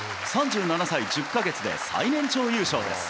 ３７歳１０か月で最年長優勝です。